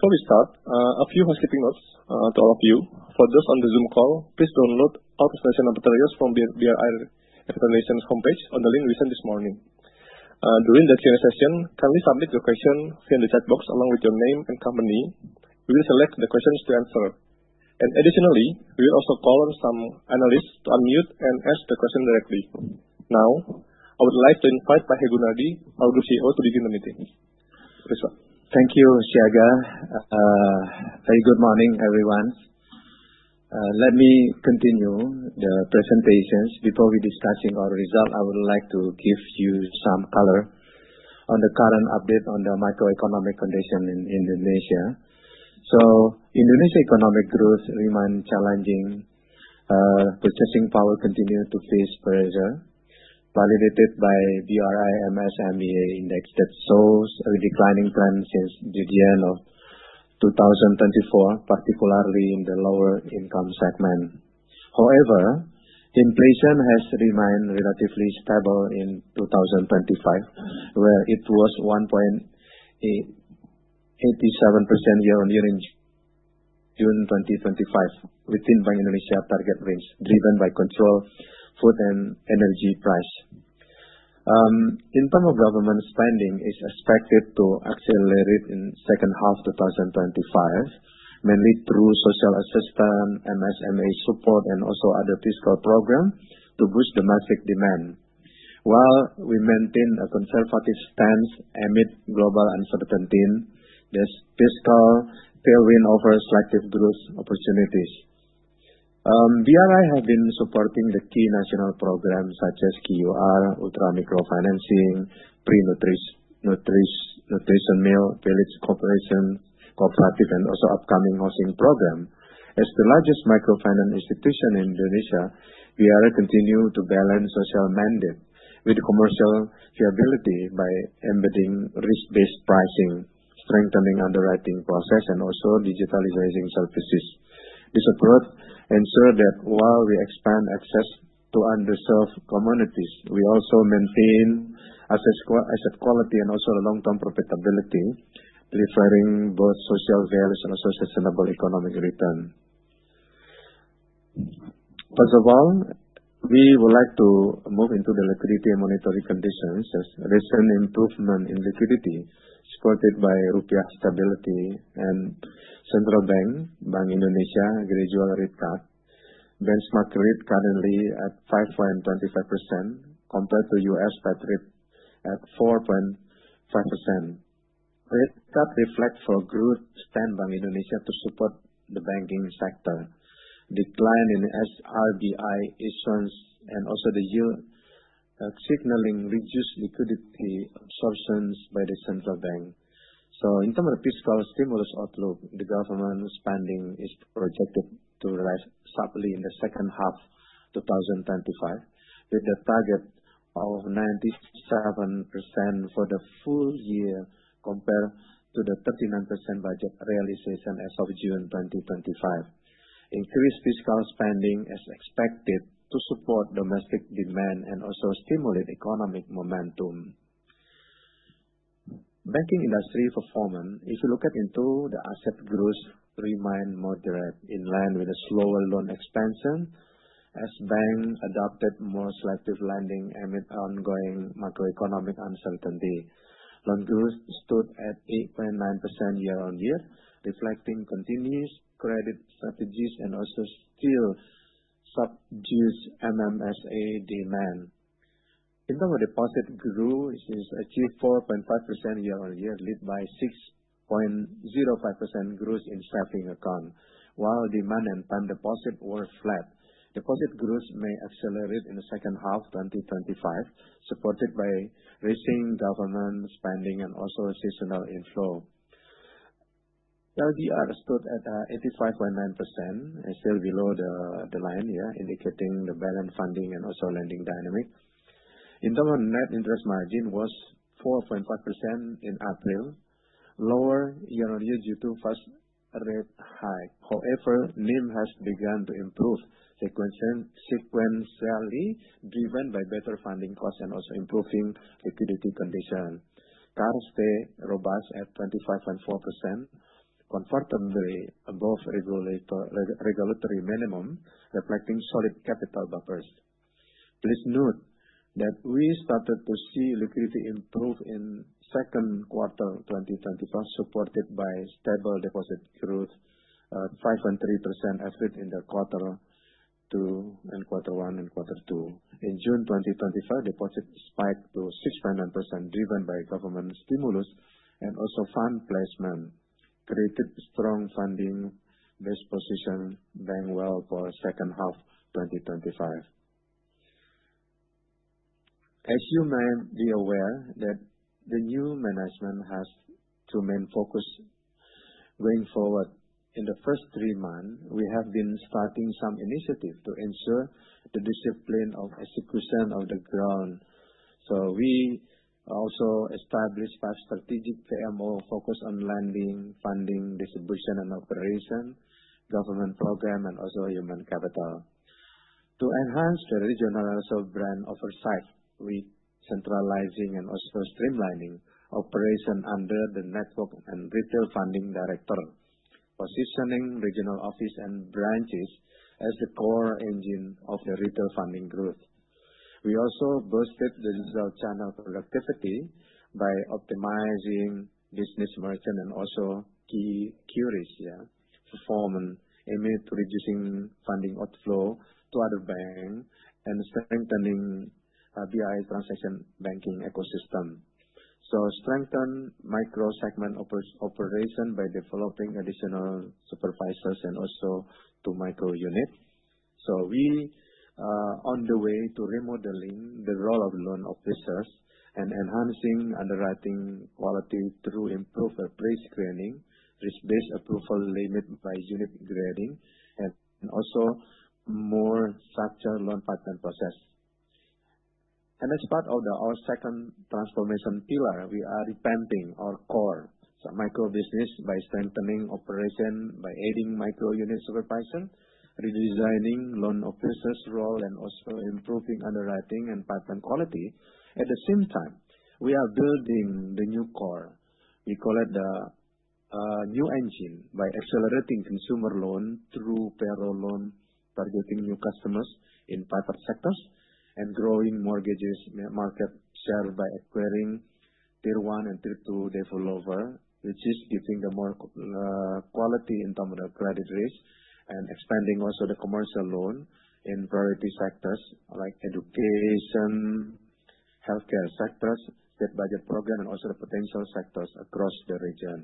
Before we start, a few housekeeping notes to all of you. For those on the Zoom call, please download all presentation materials from the BRI presentations homepage on the link we sent this morning. During the Q&A session, kindly submit your question via the chat box along with your name and company. We will select the questions to answer. Additionally, we will also call on some analysts to unmute and ask the question directly. Now, I would like to invite Hery Gunardi, our Group CEO, to begin the meeting. Please, sir. Thank you, Siaga. Very good morning, everyone. Let me continue the presentation. Before we discuss our result, I would like to give you some color on the current update on the macroeconomic condition in Indonesia. Indonesia's economic growth remains challenging. Purchasing power continues to face pressure, validated by the BRIMS MEA index that shows a declining trend since the end of 2024, particularly in the lower-income segment. However, inflation has remained relatively stable in 2025, where it was 1.87% year-on-year in June 2025, within Bank Indonesia's target range, driven by controlled food and energy prices. In terms of government spending, it is expected to accelerate in the second half of 2025, mainly through social assistance, MSME support, and also other fiscal programs to boost domestic demand. While we maintain a conservative stance amid global uncertainty, the fiscal tailwind offers selective growth opportunities. BRI has been supporting key national programs such as KUR, ultra-micro financing, pre-nutrition meal, village cooperative, and also upcoming housing programs. As the largest microfinance institution in Indonesia, BRI continues to balance social mandate with commercial viability by embedding risk-based pricing, strengthening underwriting processes, and also digitalizing services. This approach ensures that while we expand access to underserved communities, we also maintain asset quality and also long-term profitability, delivering both social values and also sustainable economic return. First of all, we would like to move into the liquidity and monetary conditions. Recent improvements in liquidity supported by Rupiah stability and Central Bank Bank Indonesia's gradual rate cut. Benchmark rate currently at 5.25% compared to U.S. stat rate at 4.5%. Rate cut reflects a growth stance of Bank Indonesia to support the banking sector. Decline in SRBI issuance and also the yield signaling reduced liquidity absorption by the central bank. In terms of the fiscal stimulus outlook, the government spending is projected to rise sharply in the second half of 2025, with a target of 97% for the full year compared to the 39% budget realization as of June 2025. Increased fiscal spending is expected to support domestic demand and also stimulate economic momentum. Banking industry performance, if you look at the asset growth, remains moderate in line with the slower loan expansion. As banks adopted more selective lending amid ongoing macroeconomic uncertainty, loan growth stood at 8.9% year-on-year, reflecting continuous credit strategies and also still subdued MMSA demand. In terms of deposit growth, it achieved 4.5% year-on-year, led by 6.05% growth in savings accounts, while demand and time deposits were flat. Deposit growth may accelerate in the second half of 2025, supported by rising government spending and also seasonal inflow. LDR stood at 85.9%, still below the line, indicating the balanced funding and also lending dynamic. In terms of net interest margin, it was 4.5% in April, lower year-on-year due to first rate hike. However, NIM has begun to improve sequentially, driven by better funding costs and also improving liquidity conditions. CAR stayed robust at 25.4%, comfortably above regulatory minimum, reflecting solid capital buffers. Please note that we started to see liquidity improve in the second quarter of 2025, supported by stable deposit growth, 5.3% average in the quarter two and quarter one and quarter two. In June 2025, deposits spiked to 6.9% driven by government stimulus and also fund placement, creating strong funding-based position bank well for the second half of 2025. As you may be aware, the new management has two main focus going forward. In the first three months, we have been starting some initiatives to ensure the discipline of execution on the ground. We also established five strategic PMO focused on lending, funding, distribution and operation, government program, and also human capital. To enhance the regional and also brand oversight, we are centralizing and also streamlining operations under the Network and Retail Funding Director, positioning regional offices and branches as the core engine of the retail funding growth. We also boosted the results channel productivity by optimizing business merchant and also key QRIS performance amid reducing funding outflow to other banks and strengthening BRI transaction banking ecosystem. We strengthen micro-segment operations by developing additional supervisors and also two micro-units. We are on the way to remodeling the role of loan officers and enhancing underwriting quality through improved risk screening, risk-based approval limits by unit grading, and also more structured loan pipeline process. As part of our second transformation pillar, we are revamping our core microbusiness by strengthening operations by adding micro-unit supervisors, redesigning loan officers' roles, and also improving underwriting and pipeline quality. At the same time, we are building the new core. We call it the new engine by accelerating consumer loan through payroll loan, targeting new customers in private sectors, and growing mortgages market share by acquiring tier one and tier two developers, which is giving the more quality in terms of the credit risk and expanding also the commercial loan in priority sectors like education, healthcare sectors, state budget program, and also the potential sectors across the region.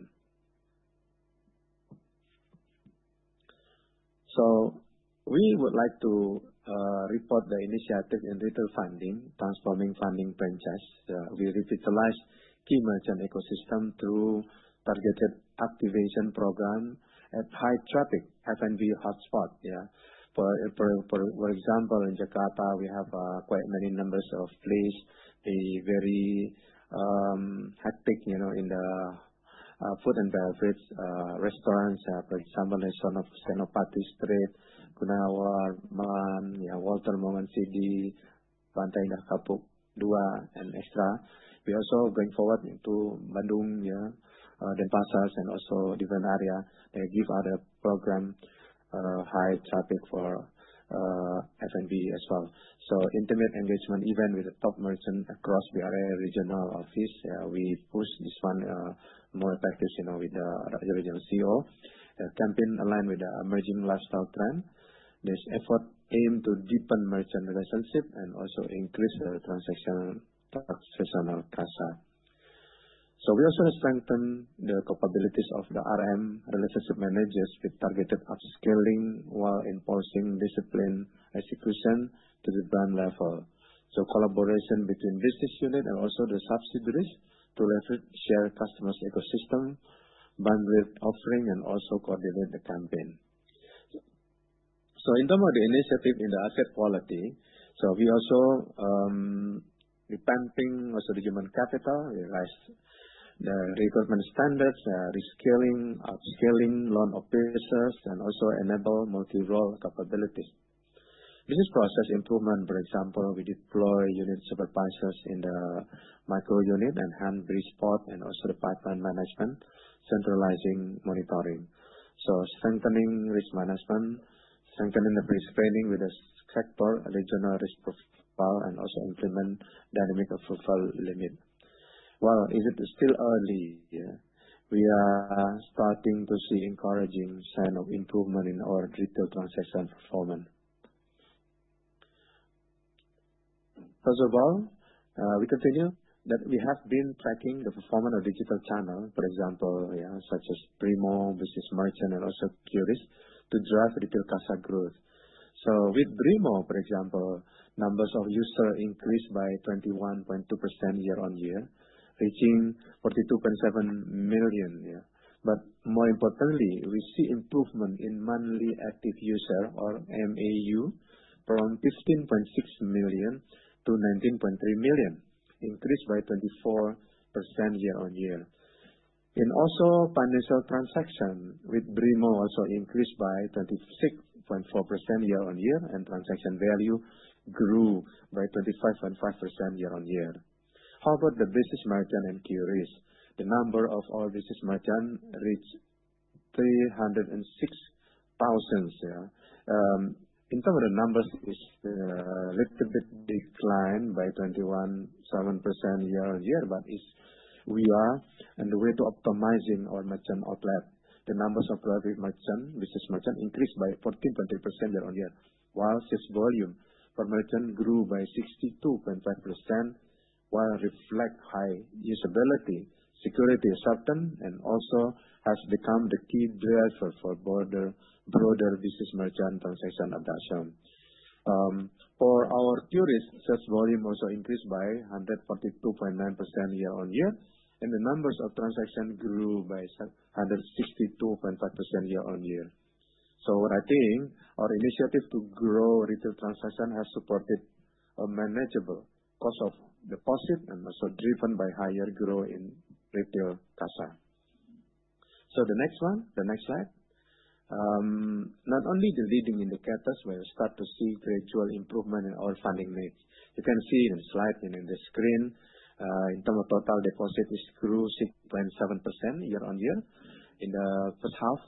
We would like to report the initiative in retail funding, transforming funding franchise. We revitalize key merchant ecosystems through targeted activation programs at high-traffic F&B hotspots. For example, in Jakarta, we have quite many numbers of places that are very hectic in the food and beverage restaurants, for example, in Senopati Street, Gunawarman, Walter Momon City, Pantai Indah Kapuk Dua, and Extra. We are also going forward to Bandung, Denpasar, and also different areas that give other programs high traffic for F&B as well. Intimate engagement events with the top merchants across BRI regional offices. We push this one more effectively with the regional CEO. The campaign aligns with the emerging lifestyle trends. This effort aims to deepen merchant relationships and also increase the transactional CASA. We also strengthen the capabilities of the RM relationship managers with targeted upskilling while enforcing discipline execution to the brand level. Collaboration between business units and also the subsidiaries to leverage shared customer ecosystems, bandwidth offerings, and also coordinate the campaign. In terms of the initiative in the asset quality, we also revamped also the human capital. We raised the recruitment standards, reskilling, upskilling loan officers, and also enabled multi-role capabilities. Business process improvement, for example, we deploy unit supervisors in the micro-unit and hands-on support, and also the pipeline management, centralizing monitoring. Strengthening risk management, strengthening the risk screening with the sector, regional risk profile, and also increment dynamic approval limits. While it is still early. We are starting to see encouraging signs of improvement in our retail transaction performance. First of all, we continue that we have been tracking the performance of digital channels, for example, such as BRIMO, business merchants, and also QRIS to drive retail CASA growth. With BRIMO, for example, numbers of users increased by 21.2% year-on-year, reaching 42.7 million. More importantly, we see improvement in monthly active users, or MAU, from 15.6 million to 19.3 million, increased by 24% year-on-year. Financial transactions with BRIMO also increased by 26.4% year-on-year, and transaction value grew by 25.5% year-on-year. How about the business merchants and QRIS? The number of all business merchants reached 306,000. In terms of the numbers, it's a little bit declined by 21.7% year-on-year, but we are on the way to optimizing our merchant outlet. The numbers of private business merchants increased by 14.3% year-on-year, while sales volume per merchant grew by 62.5%, reflecting high usability, security assurance, and also has become the key driver for broader business merchant transaction adoption. For our QRIS, sales volume also increased by 142.9% year-on-year, and the numbers of transactions grew by 162.5% year-on-year. I think our initiative to grow retail transactions has supported a manageable cost of deposit and also driven by higher growth in retail CASA. The next one, the next slide. Not only the leading indicators, but we start to see gradual improvement in our funding needs. You can see in the slide and in the screen, in terms of total deposit, it grew 6.7% year-on-year in the first half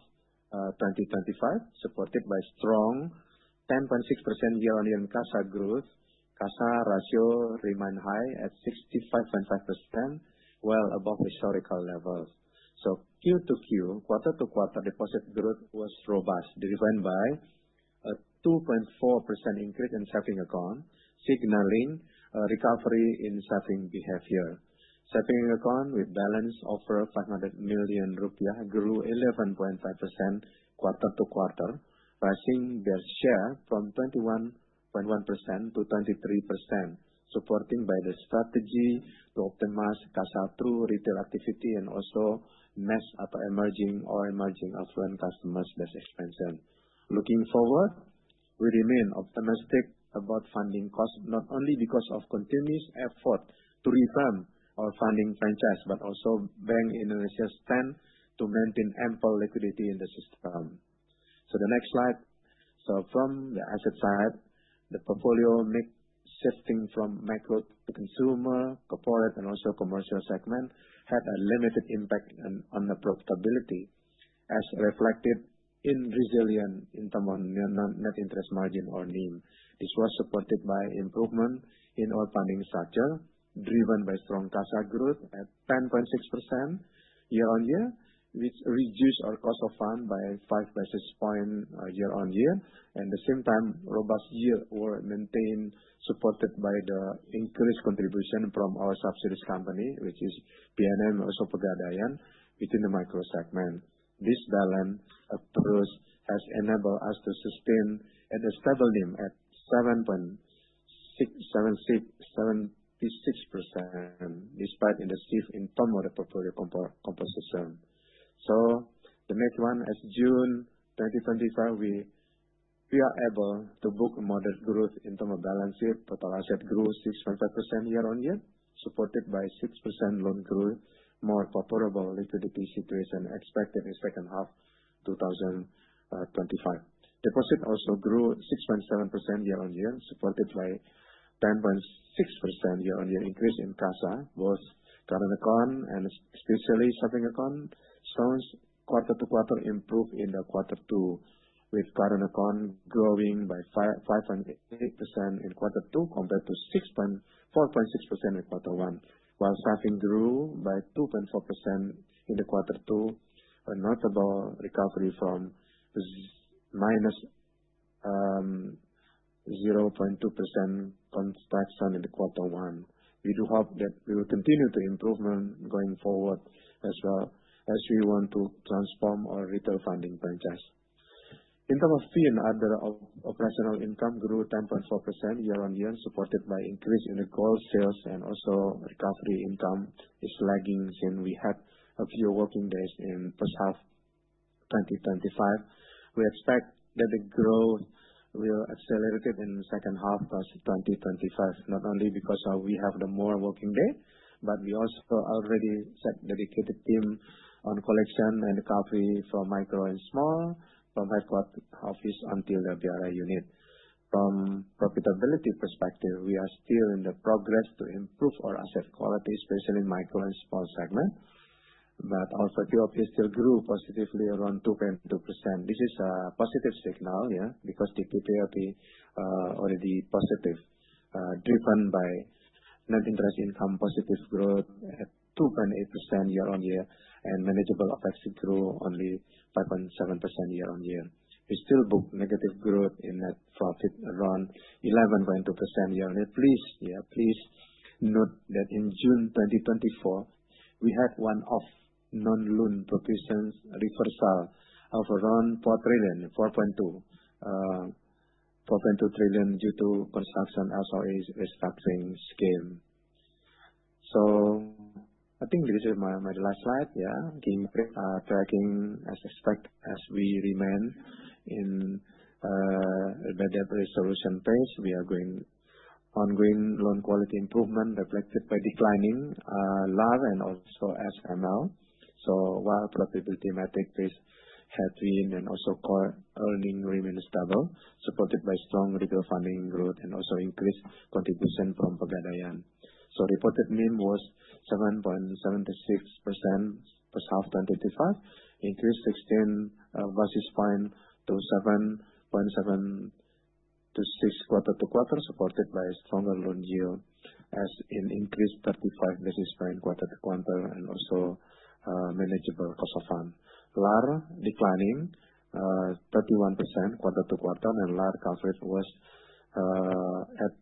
of 2025, supported by strong 10.6% year-on-year in CASA growth. CASA ratio remained high at 65.5%, well above historical levels. Q2Q, quarter-to-quarter deposit growth was robust, driven by a 2.4% increase in savings accounts, signaling a recovery in savings behavior. Savings accounts with balance of over Rp500 million grew 11.5% quarter-to-quarter, rising their share from 21.1% to 23%, supported by the strategy to optimize CASA through retail activity and also match up emerging or emerging affluent customers' best expenses. Looking forward, we remain optimistic about funding costs, not only because of continuous efforts to revamp our funding franchise, but also Bank Indonesia's stance to maintain ample liquidity in the system. The next slide. From the asset side, the portfolio shifting from micro to consumer, corporate, and also commercial segments had a limited impact on the profitability, as reflected in resilience in terms of net interest margin or NIM. This was supported by improvements in our funding structure, driven by strong CASA growth at 10.6% year-on-year, which reduced our cost of funds by 5.6% year-on-year. At the same time, robust yields were maintained, supported by the increased contribution from our subsidiaries company, which is PNM and also Pegadaian, within the micro segment. This balanced approach has enabled us to sustain and establish NIM at 7.676%. Despite the shift in terms of the portfolio composition, as of June 2025, we are able to book a moderate growth in terms of balance sheet. Total assets grew 6.5% year-on-year, supported by 6% loan growth, with a more favorable liquidity situation expected in the second half of 2025. Deposits also grew 6.7% year-on-year, supported by 10.6% year-on-year increase in CASA, both current accounts and especially savings accounts. Quarter-to-quarter improved in the quarter two, with current accounts growing by 5.8% in quarter two compared to 4.6% in quarter one, while savings grew by 2.4% in the quarter two, a notable recovery from minus 0.2% contraction in the quarter one. We do hope that we will continue to improve going forward as well as we want to transform our retail funding franchise. In terms of fee and other operational income, it grew 10.4% year-on-year, supported by an increase in the gold sales and also recovery income is lagging since we had a few working days in the first half of 2025. We expect that the growth will accelerate in the second half of 2025, not only because we have more working days, but we also already set a dedicated team on collection and recovery from micro and small from headquarters office until the BRI unit. From a profitability perspective, we are still in the progress to improve our asset quality, especially in micro and small segments. Our PPOP still grew positively around 2.2%. This is a positive signal because the PPOP is already positive, driven by net interest income positive growth at 2.8% year-on-year, and manageable FX grew only 5.7% year-on-year. We still booked negative growth in net profit around 11.2% year-on-year. Please note that in June 2024, we had one-off non-loan provisions reversal of around 4.2 trillion. 4 trillion due to construction SRA restructuring scheme. I think this is my last slide. Keep tracking as expected as we remain in a better resolution phase. We are going ongoing loan quality improvement reflected by declining LAR and also SML. While profitability metrics had been and also core earnings remained stable, supported by strong retail funding growth and also increased contribution from Pegadaian. Reported NIM was 7.76%. First half of 2025, increased 16.6% to 7.76% quarter to quarter, supported by stronger loan yield as in increased 35.6% quarter to quarter and also manageable cost of fund. LAR declining 31% quarter to quarter, and LAR coverage was at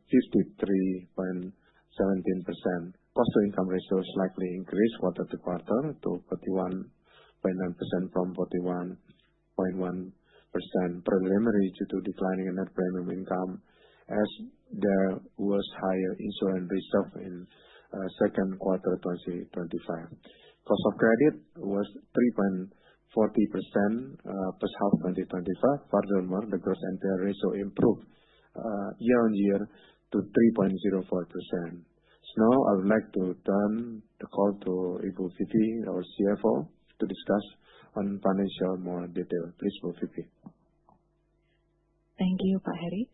53.17%. Cost to income ratio slightly increased quarter to quarter to 41.9% from 41.1% preliminary due to declining net premium income as there was higher insurance reserve in the second quarter of 2025. Cost of credit was 3.40%. First half of 2025. Furthermore, the gross NPL ratio improved year-on-year to 3.04%. Now I would like to turn the call to Ibu Vivi, our CFO, to discuss on financial more detail. Please, Ibu Vivi. Thank you, Pak Hery.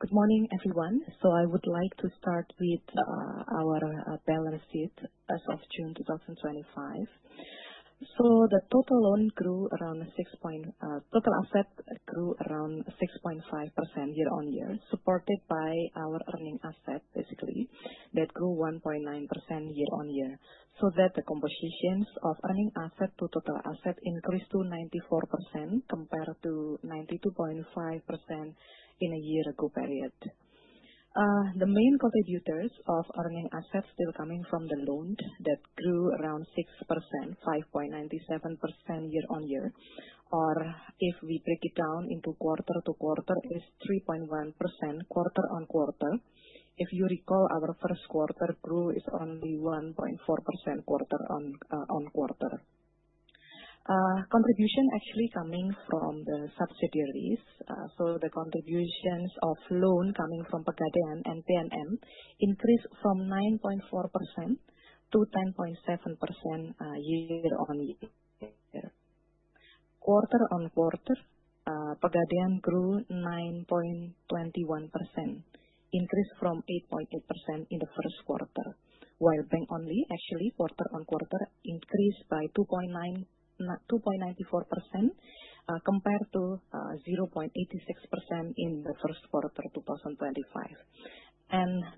Good morning, everyone. I would like to start with our balance sheet as of June 2025. The total loan grew around 6%. Total asset grew around 6.5% year-on-year, supported by our earning asset, basically, that grew 1.9% year-on-year. The compositions of earning asset to total asset increased to 94% compared to 92.5% in a year-ago period. The main contributors of earning assets still coming from the loan that grew around 6%, 5.97% year-on-year, or if we break it down into quarter to quarter, is 3.1% quarter on quarter. If you recall, our first quarter grew is only 1.4% quarter on quarter. Contribution actually coming from the subsidiaries. The contributions of loan coming from Pegadaian and PNM increased from 9.4% to 10.7% year-on-year. Quarter on quarter, Pegadaian grew 9.21%, increased from 8.8% in the first quarter, while Bank Only actually quarter on quarter increased by 2.94% compared to 0.86% in the first quarter of 2025.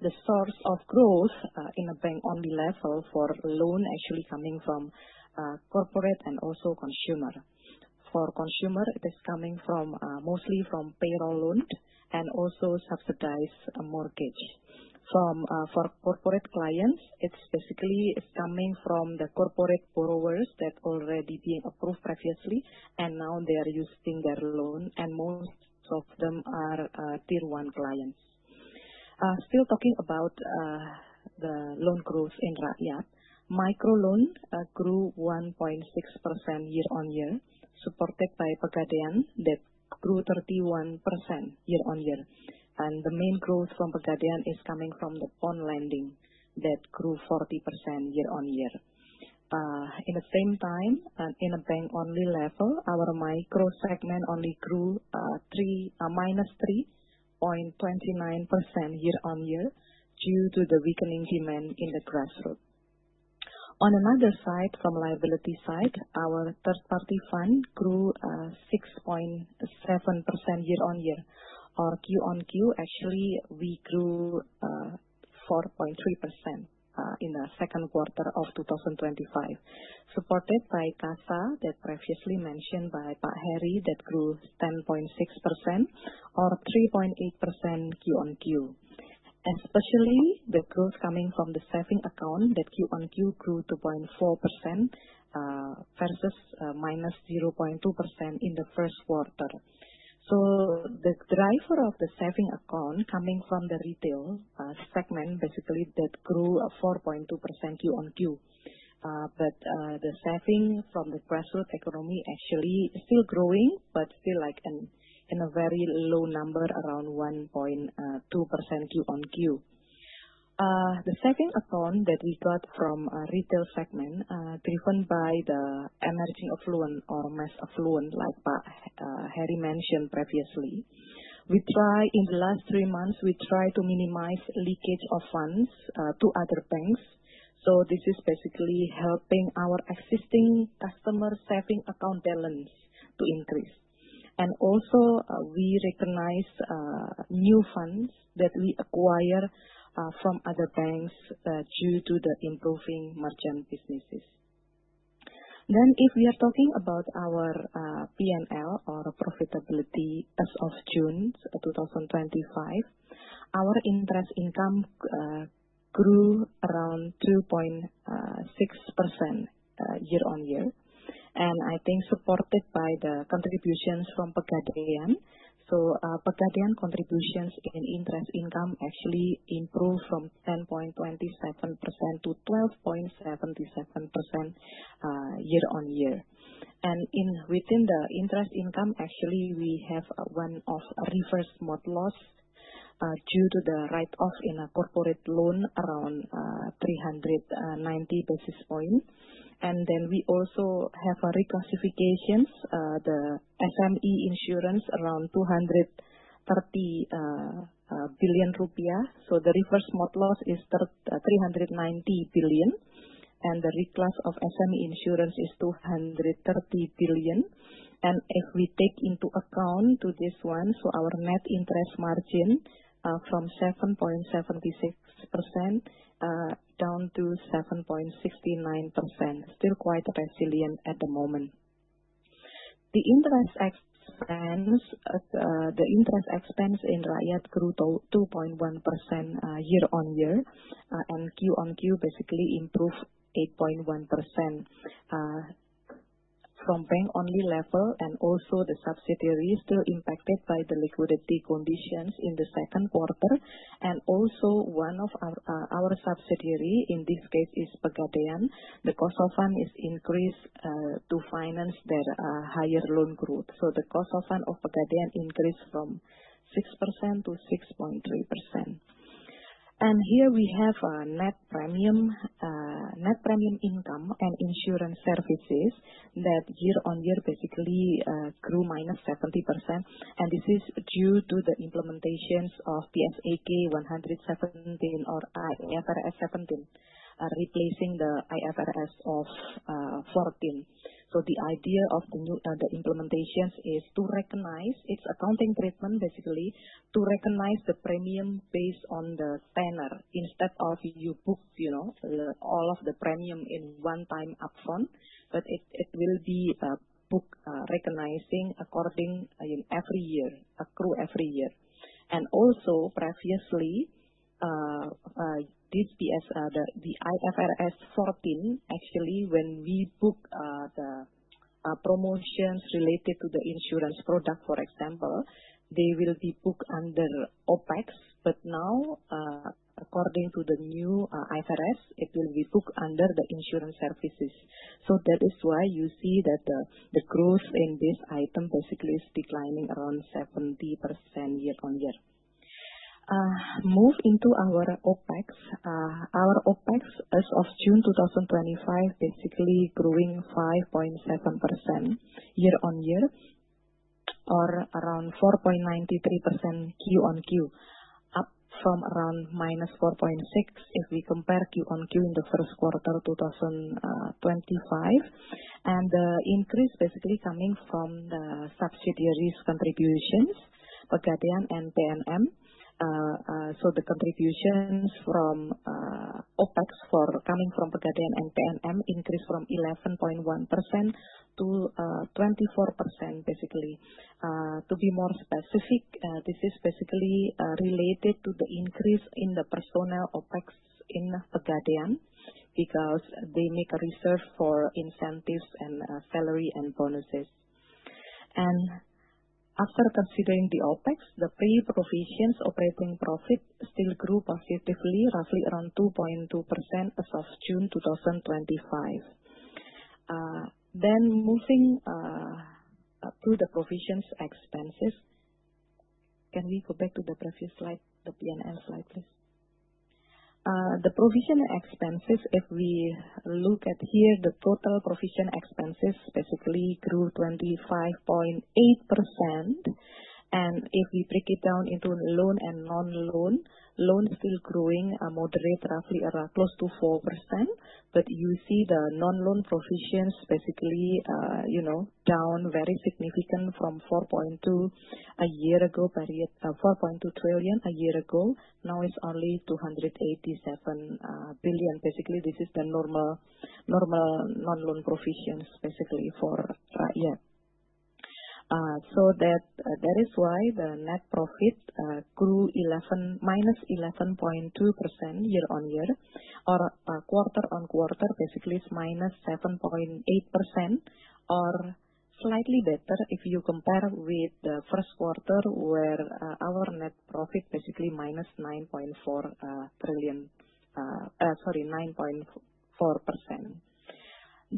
The source of growth in a Bank Only level for loan actually coming from corporate and also consumer. For consumer, it is coming mostly from payroll loan and also subsidized mortgage. For corporate clients, it's basically coming from the corporate borrowers that are already being approved previously, and now they are using their loan, and most of them are tier one clients. Still talking about the loan growth in Rakyat, micro loan grew 1.6% year-on-year, supported by Pegadaian that grew 31% year-on-year. The main growth from Pegadaian is coming from the bond lending that grew 40% year-on-year. At the same time, in a Bank Only level, our micro segment only grew minus 3.29% year-on-year due to the weakening demand in the grassroots. On another side, from the liability side, our third-party fund grew 6.7% year-on-year. Our Q-on-Q, actually, we grew 4.3% in the second quarter of 2025, supported by CASA that previously mentioned by Pak Hery that grew 10.6% or 3.8% Q-on-Q. Especially the growth coming from the savings account that Q-on-Q grew 2.4% versus minus 0.2% in the first quarter. The driver of the savings account coming from the retail segment, basically, that grew 4.2% Q-on-Q. The savings from the grassroots economy actually still growing, but still like in a very low number, around 1.2% Q-on-Q. The savings account that we got from retail segment, driven by the emerging affluent or mass affluent, like Pak Hery mentioned previously, we try in the last three months, we try to minimize leakage of funds to other banks. This is basically helping our existing customer savings account balance to increase. We also recognize new funds that we acquire from other banks due to the improving merchant businesses. If we are talking about our P&L or profitability as of June 2025, our interest income grew around 3.6% year-on-year, and I think supported by the contributions from Pegadaian. Pegadaian contributions in interest income actually improved from 10.27% to 12.77% year-on-year. Within the interest income, actually, we have one of reverse mod loss due to the write-off in a corporate loan around 390 basis points. We also have reclassifications, the SME insurance around 230 billion rupiah. The reverse mod loss is 390 billion, and the reclass of SME insurance is 230 billion. If we take into account this one, our net interest margin from 7.76% down to 7.69%, still quite resilient at the moment. The interest expense in Rakyat grew 2.1% year-on-year, and Q-on-Q basically improved 8.1% from bank-only level, and also the subsidiaries still impacted by the liquidity conditions in the second quarter. Also, one of our subsidiaries, in this case, is Pegadaian. The cost of fund is increased to finance their higher loan growth. The cost of fund of Pegadaian increased from 6% to 6.3%. Here we have a net premium. Net premium income and insurance services that year-on-year basically grew minus 70%. This is due to the implementations of PSAK 117 or IFRS 17, replacing the IFRS 14. The idea of the new implementations is to recognize its accounting treatment, basically to recognize the premium based on the tenor instead of you book all of the premium in one time upfront, but it will be booked recognizing according in every year, accrue every year. Previously, this IFRS 14, actually, when we book the promotions related to the insurance product, for example, they will be booked under OpEx, but now, according to the new IFRS, it will be booked under the insurance services. That is why you see that the growth in this item basically is declining around 70% year-on-year. Moving into our OpEx. Our OpEx as of June 2025 basically growing 5.7% year-on-year, or around 4.93% Q-on-Q, up from around minus 4.6% if we compare Q-on-Q in the first quarter of 2025. The increase basically coming from the subsidiaries' contributions, Pegadaian and PNM. The contributions from OpEx for coming from Pegadaian and PNM increased from 11.1% to 24%, basically. To be more specific, this is basically related to the increase in the personnel OpEx in Pegadaian because they make a reserve for incentives and salary and bonuses. After considering the OpEx, the pre-provisions operating profit still grew positively, roughly around 2.2% as of June 2025. Moving to the provisions expenses. Can we go back to the previous slide, the P&L slide, please? The provision expenses, if we look at here, the total provision expenses basically grew 25.8%. If we break it down into loan and non-loan, loan still growing moderate, roughly close to 4%. You see the non-loan provisions basically down very significant from 4.2 trillion a year ago, now it's only 287 billion. This is the normal non-loan provisions basically for Rakyat. That is why the net profit grew minus 11.2% year-on-year, or quarter-on-quarter basically is minus 7.8%, or slightly better if you compare with the first quarter where our net profit basically minus 9.4%.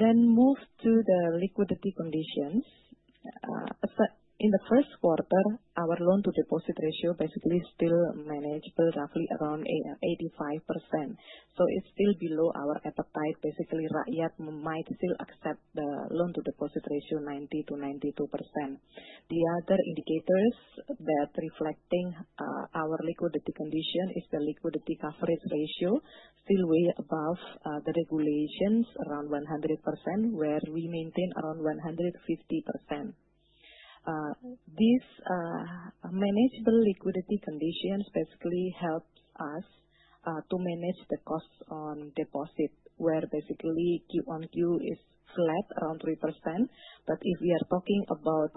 Moving to the liquidity conditions. In the first quarter, our loan-to-deposit ratio basically still manageable, roughly around 85%. It is still below our appetite. Basically, Rakyat might still accept the loan-to-deposit ratio 90 to 92%. The other indicators that reflecting our liquidity condition is the liquidity coverage ratio, still way above the regulations, around 100%, where we maintain around 150%. Manageable liquidity conditions basically helps us to manage the cost on deposit, where basically Q on Q is flat, around 3%. If we are talking about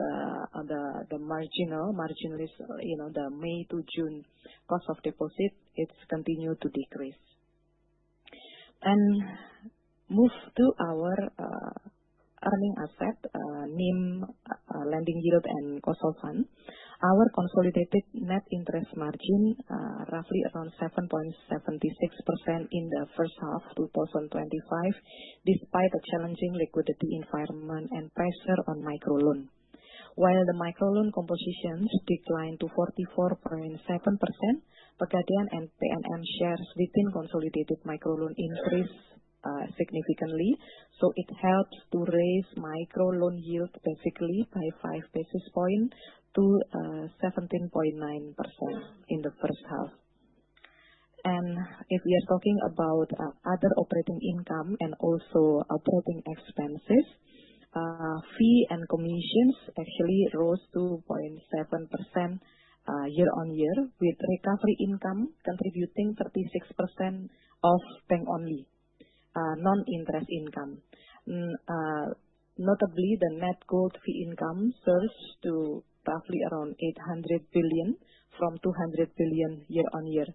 the marginal, marginal is the May to June cost of deposit, it's continued to decrease. Move to our earning asset, NIM, lending yield, and cost of fund. Our consolidated net interest margin, roughly around 7.76% in the first half of 2025, despite a challenging liquidity environment and pressure on micro loan. While the micro loan compositions declined to 44.7%, Pegadaian and PNM shares within consolidated micro loan increased significantly. It helps to raise micro loan yield basically by 5 basis points to 17.9% in the first half. If we are talking about other operating income and also operating expenses, fee and commissions actually rose 2.7% year-on-year, with recovery income contributing 36% of bank-only non-interest income. Notably, the net gold fee income surged to roughly around 800 billion from 200 billion year-on-year,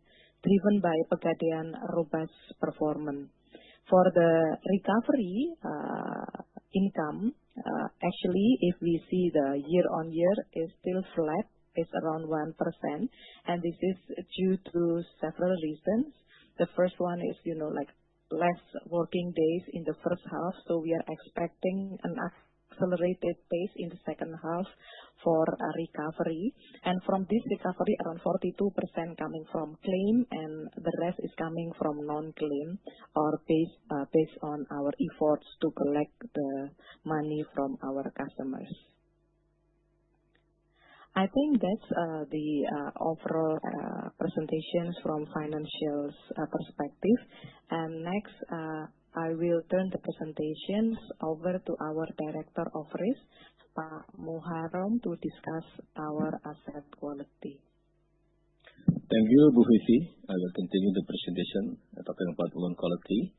driven by Pegadaian robust performance. For the recovery income, actually, if we see the year-on-year, is still flat, is around 1%. This is due to several reasons. The first one is less working days in the first half, so we are expecting an accelerated pace in the second half for recovery. From this recovery, around 42% coming from claim, and the rest is coming from non-claim or based on our efforts to collect the money from our customers. I think that's the overall presentations from financial perspective. Next, I will turn the presentations over to our Director of Risk, Pak Mucharom, to discuss our asset quality. Thank you, Bu Fifi. I will continue the presentation talking about loan quality.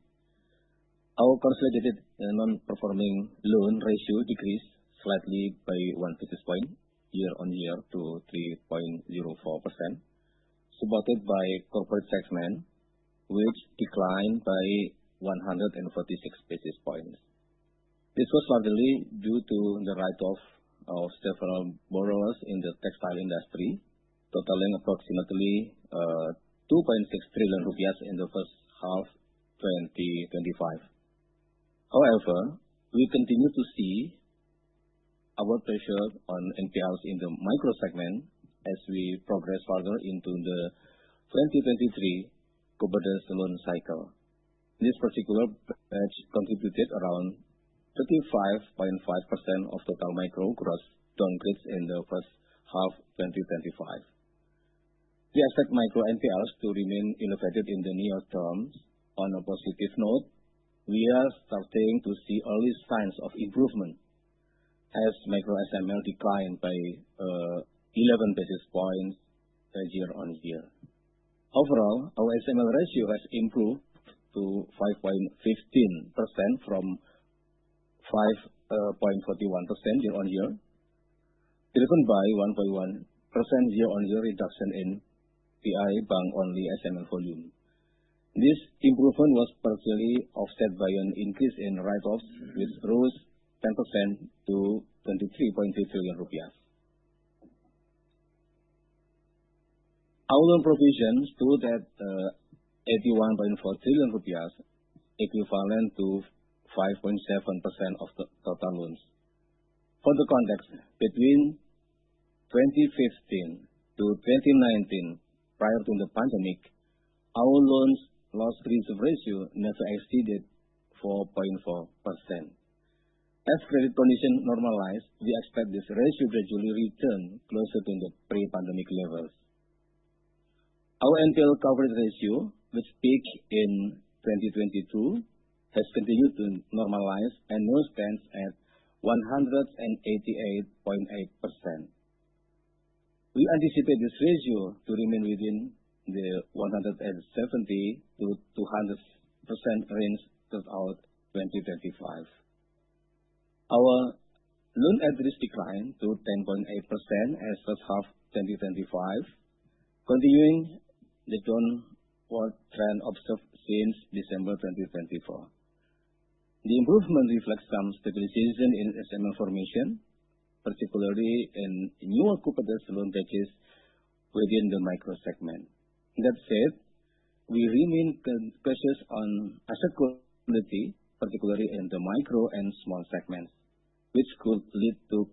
Our consolidated non-performing loan ratio decreased slightly by 1 basis point year-on-year to 3.04%. Supported by corporate segment, which declined by 146 basis points. This was largely due to the write-off of several borrowers in the textile industry, totaling approximately IDR 2.6 trillion in the first half of 2025. However, we continue to see our pressure on NPLs in the micro segment as we progress further into the 2023 COVID-19 loan cycle. This particular batch contributed around 35. 5% of total micro gross downgrades in the first half of 2025. We expect micro NPLs to remain innovative in the near term. On a positive note, we are starting to see early signs of improvement, as micro SML declined by 11 basis points year-on-year. Overall, our SML ratio has improved to 5.15% from 5.41% year-on-year, driven by a 1.1% year-on-year reduction in BRI bank-only SML volume. This improvement was partially offset by an increase in write-offs, which rose 10% to IDR 23.3 trillion. Our loan provisions totaled 81.4 trillion rupiah, equivalent to 5.7% of total loans. For context, between 2015 to 2019, prior to the pandemic, our loan loss reserve ratio never exceeded 4.4%. As credit conditions normalize, we expect this ratio to gradually return closer to the pre-pandemic levels. Our NPL coverage ratio, which peaked in 2022, has continued to normalize and now stands at 188.8%. We anticipate this ratio to remain within the 170% to 200% range throughout 2025. Our loan at risk declined to 10.8% as of the first half of 2025, continuing the downward trend observed since December 2024. The improvement reflects some stabilization in SML formation, particularly in newer cooperative loan batches within the micro segment. That said, we remain cautious on asset quality, particularly in the micro and small segments, which could lead to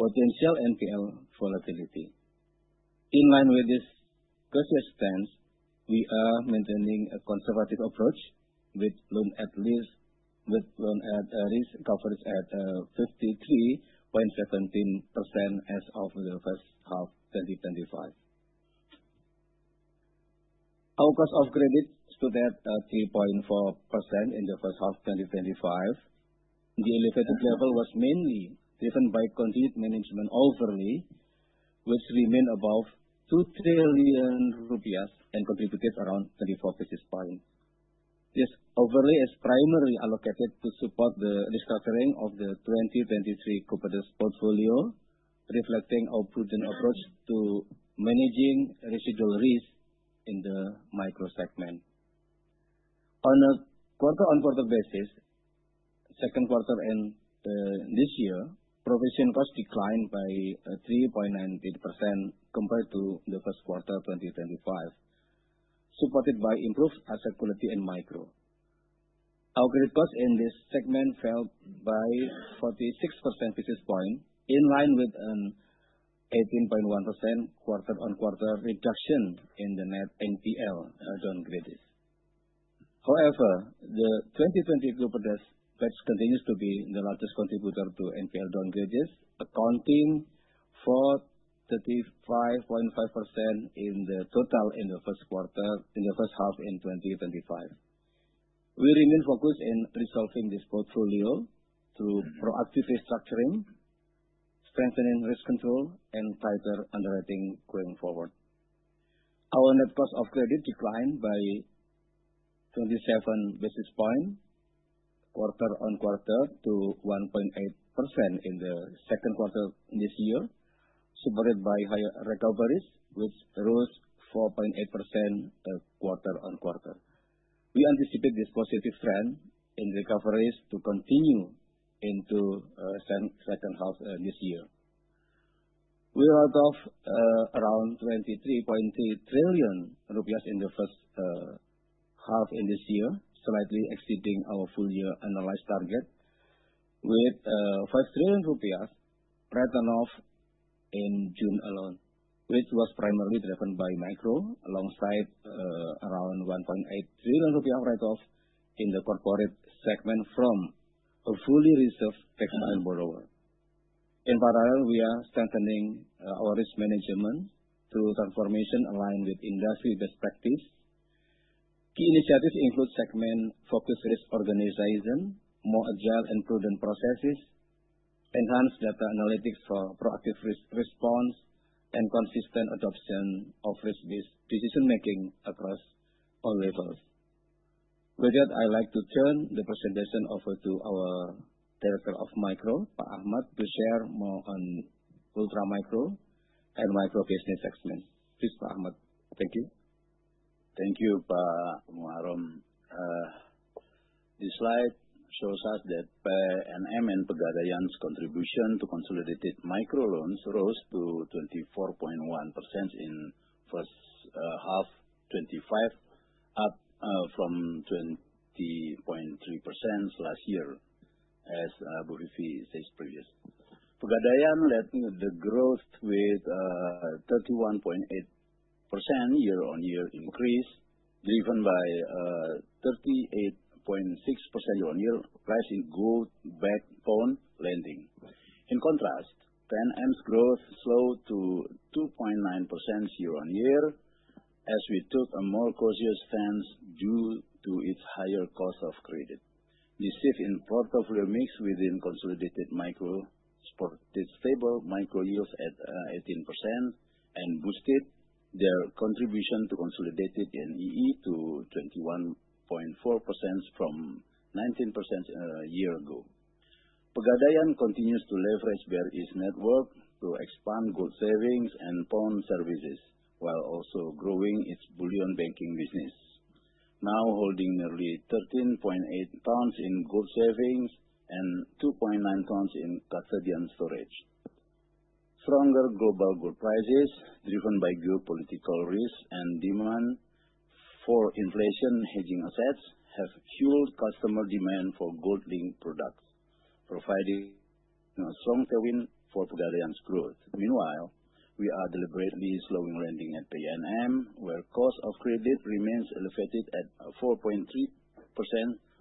potential NPL volatility. In line with this cautious stance, we are maintaining a conservative approach with loan at risk coverage at 53.17% as of the first half of 2025. Our cost of credit stood at 3.4% in the first half of 2025. The elevated level was mainly driven by continued management overlay, which remained above 2 trillion rupiah and contributed around 24 basis points. This overlay is primarily allocated to support the restructuring of the 2023 cooperative portfolio, reflecting our prudent approach to managing residual risk in the micro segment. On a quarter-on-quarter basis, in the second quarter of this year, provision cost declined by 3.98% compared to the first quarter of 2025, supported by improved asset quality in micro. Our credit cost in this segment fell by 46 basis points, in line with an 18.1% quarter-on-quarter reduction in the net NPL downgrades. However, the 2023 cooperative batch continues to be the largest contributor to NPL downgrades, accounting for 35.5% of the total in the first half of 2025. We remain focused on resolving this portfolio through proactive restructuring, strengthening risk control, and tighter underwriting going forward. Our net cost of credit declined by 27 basis points quarter-on-quarter to 1.8% in the second quarter this year, supported by higher recoveries, which rose 4.8% quarter-on-quarter. We anticipate this positive trend in recoveries to continue into the second half of this year. We write off around IDR 23.3 trillion in the first half of this year, slightly exceeding our full-year annualized target, with 5 trillion rupiah written off in June alone, which was primarily driven by micro, alongside around 1.8 trillion rupiah write-off in the corporate segment from a fully reserved textile borrower. In parallel, we are strengthening our risk management through transformation aligned with industry best practices. Key initiatives include segment-focused risk organization, more agile and prudent processes, enhanced data analytics for proactive risk response, and consistent adoption of risk-based decision-making across all levels. With that, I'd like to turn the presentation over to our Director of Micro, Pak Ahmad, to share more on ultra micro and micro business segments. Please, Pak Ahmad. Thank you. Thank you, Pak Mucharom. This slide shows us that PNM and Pegadaian's contribution to consolidated micro loans rose to 24.1% in the first half of 2025, up from 20.3% last year, as Bu Fifi stated previously. Pegadaian led the growth with 31.8% year-on-year increase, driven by 38.6% year-on-year rise in gold backbone lending. In contrast, PNM's growth slowed to 2.9% year-on-year as we took a more cautious stance due to its higher cost of credit. This shift in portfolio mix within consolidated micro supported stable micro yields at 18% and boosted their contribution to consolidated NEE to 21.4% from 19% a year ago. Pegadaian continues to leverage various networks to expand gold savings and bond services, while also growing its bullion banking business, now holding nearly 13.8 tons in gold savings and 2.9 tons in custodian storage. Stronger global gold prices, driven by geopolitical risks and demand for inflation-hedging assets, have fueled customer demand for gold-linked products, providing a strong tailwind for Pegadaian's growth. Meanwhile, we are deliberately slowing lending at PNM, where cost of credit remains elevated at 4.3%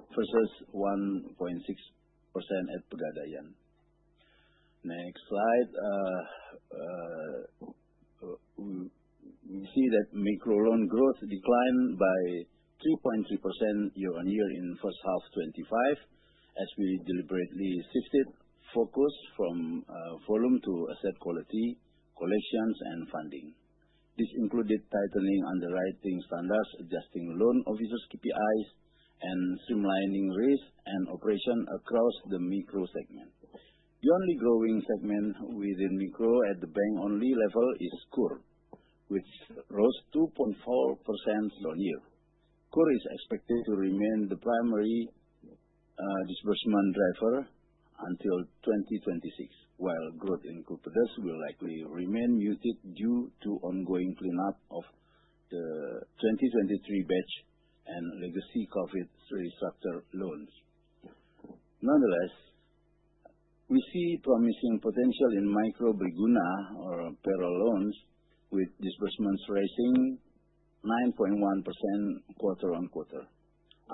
versus 1.6% at Pegadaian. Next slide. We see that micro loan growth declined by 3.3% year-on-year in the first half of 2025, as we deliberately shifted focus from volume to asset quality, collections, and funding. This included tightening underwriting standards, adjusting loan officers' KPIs, and streamlining risk and operation across the micro segment. The only growing segment within micro at the bank-only level is CORE, which rose 2.4% year-on-year. CORE is expected to remain the primary disbursement driver until 2026, while growth in cooperatives will likely remain muted due to ongoing cleanup of the 2023 batch and legacy COVID restructure loans. Nonetheless, we see promising potential in micro Briguna or payroll loans, with disbursements rising 9.1% quarter-on-quarter.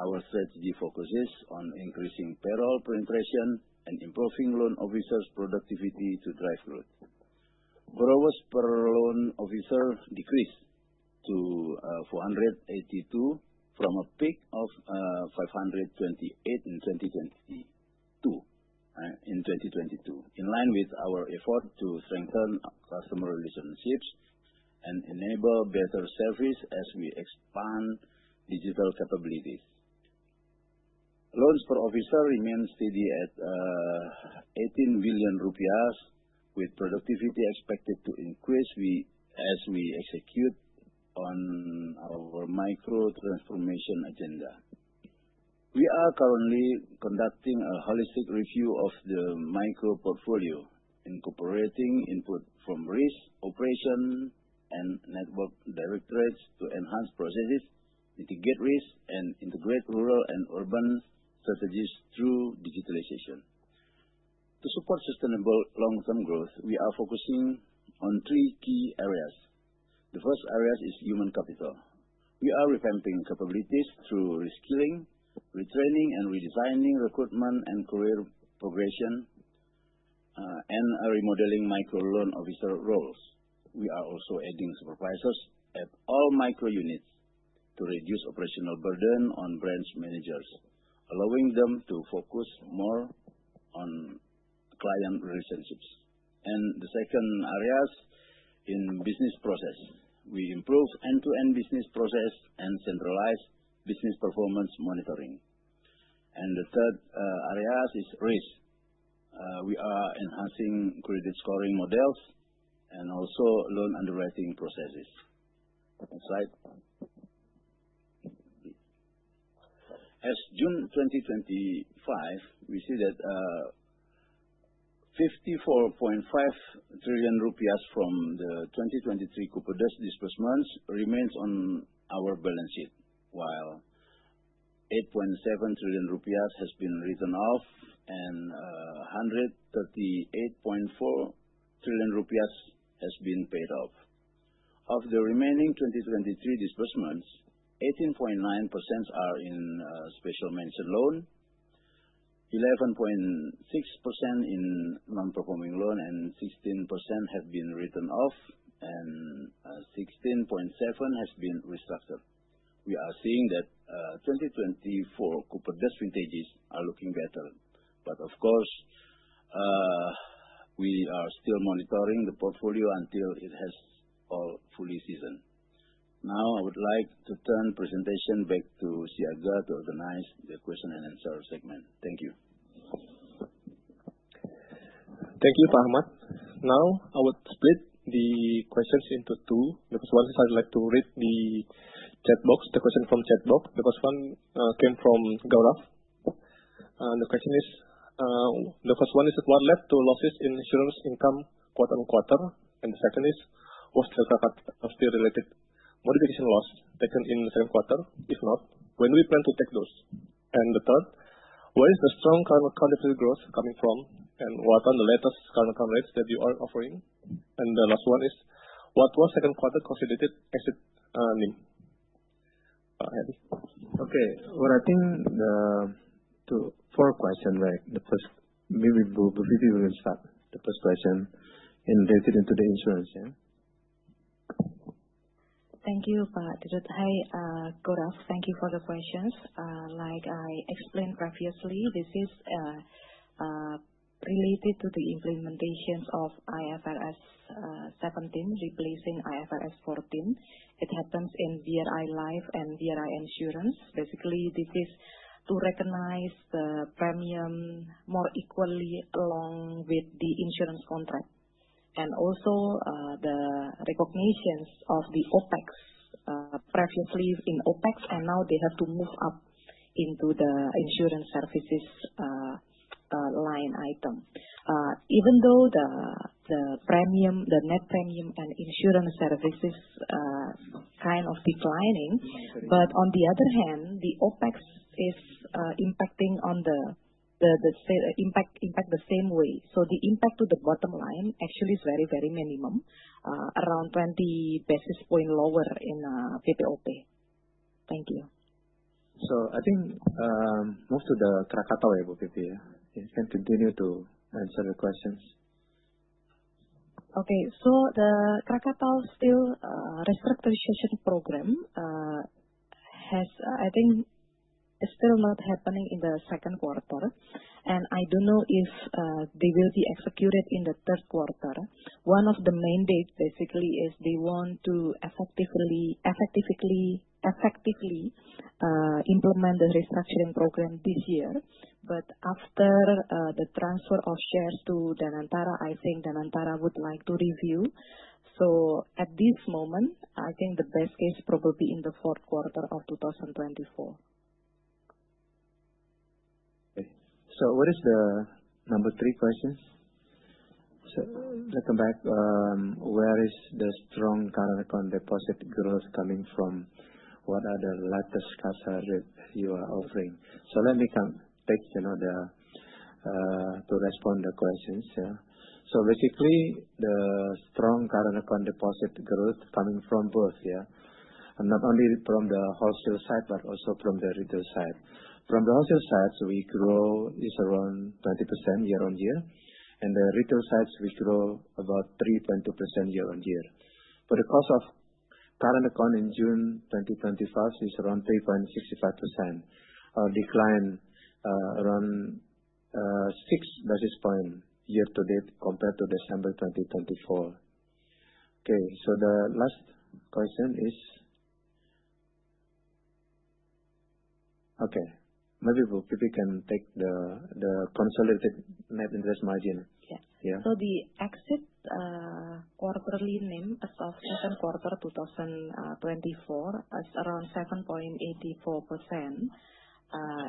Our strategy focuses on increasing payroll penetration and improving loan officers' productivity to drive growth. Borrowers' payroll loan officer decreased to 482 from a peak of 528 in 2022, in line with our effort to strengthen customer relationships and enable better service as we expand digital capabilities. Loans per officer remain steady at 18 billion rupiahs, with productivity expected to increase as we execute on our micro transformation agenda. We are currently conducting a holistic review of the micro portfolio, incorporating input from risk, operation, and network directorates to enhance processes, mitigate risk, and integrate rural and urban strategies through digitalization. To support sustainable long-term growth, we are focusing on three key areas. The first area is human capital. We are revamping capabilities through reskilling, retraining, and redesigning recruitment and career progression, and remodeling micro loan officer roles. We are also adding supervisors at all micro units to reduce operational burden on branch managers, allowing them to focus more on client relationships. The second area is in business process. We improve end-to-end business process and centralize business performance monitoring. The third area is risk. We are enhancing credit scoring models and also loan underwriting processes. Next slide. As of June 2025, we see that 54.5 trillion rupiahs from the 2023 cooperative disbursements remains on our balance sheet, while 8.7 trillion rupiahs has been written off and 138.4 trillion rupiahs has been paid off. Of the remaining 2023 disbursements, 18.9% are in special mention loan, 11.6% in non-performing loan, and 16% have been written off. 7% has been restructured. We are seeing that 2024 cooperative advantages are looking better. Of course, we are still monitoring the portfolio until it has all fully seasoned. Now, I would like to turn the presentation back to Siaga to organize the question and answer segment. Thank you. Thank you, Pak Ahmad. Now, I would split the questions into two. The first one is, I'd like to read the chat box, the question from chat box. The first one came from Gaurav. The question is, the first one is, what led to losses in insurance income quarter-on-quarter? The second is, was there a related modification loss taken in the second quarter? If not, when do we plan to take those? The third, where is the strong current account deposit growth coming from? What are the latest current account rates that you are offering? The last one is, what was second quarter considered exit NIM? We are attending the two four questions, right? The first, maybe Bu Fifi will start the first question and related to the insurance, yeah? Thank you, Pak Dirut. Hi, Gaurav. Thank you for the questions. Like I explained previously, this is related to the implementation of IFRS 17, replacing IFRS 14. It happens in BRI Life and BRI Insurance. Basically, this is to recognize the premium more equally along with the insurance contract. Also, the recognition of the OpEx. Previously in OpEx, and now they have to move up into the insurance services line item. Even though the premium, the net premium and insurance services, kind of declining, on the other hand, the OpEx is impacting on the impact the same way. The impact to the bottom line actually is very, very minimum, around 20 basis points lower in PPOP. Thank you. I think move to the Krakatau, ya, Bu Fifi, ya. You can continue to answer the questions. The Krakatau still restructuration program has, I think, is still not happening in the second quarter, and I don't know if they will be executed in the third quarter. One of the mandates, basically, is they want to effectively implement the restructuring program this year, but after the transfer of shares to Danantara, I think Danantara would like to review. At this moment, I think the best case probably in the fourth quarter of 2024. What is the number three question? Welcome back. Where is the strong current account deposit growth coming from? What are the latest CASA rate you are offering? Let me take the. To respond to the questions, yeah. Basically, the strong current account deposit growth is coming from both, yeah. Not only from the wholesale side, but also from the retail side. From the wholesale side, we grow is around 20% year-on-year, and the retail side, we grow about 3.2% year-on-year. For the cost of current account in June 2025, it's around 3.65%, or decline around 6 basis points year-to-date compared to December 2024. The last question is, okay, maybe Bu Fifi can take the consolidated net interest margin. Yeah. The exit quarterly NIM as of second quarter 2024 is around 7.84%.